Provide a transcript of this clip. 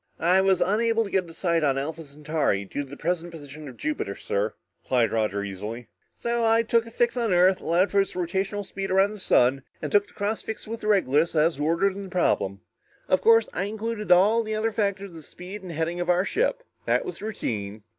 "I was unable to get a sight on Alpha Centauri due to the present position of Jupiter, sir," replied Roger easily. "So I took a fix on Earth, allowed for its rotational speed around the sun and took the cross fix with Regulus as ordered in the problem. Of course, I included all the other factors of the speed and heading of our ship. That was routine."